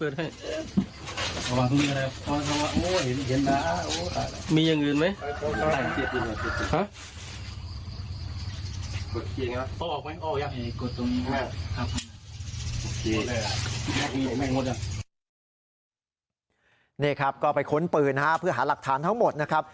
นี่ครับก็ไปค้นปืนนะฮะเพื่อหาหลักฐานทั้งหมดนะครับ